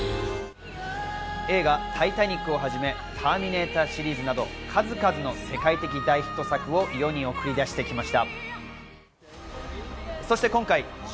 映画『タイタニック』をはじめ、『ターミネーター』シリーズなど数々の世界的大ヒット作を世に送り出してきました。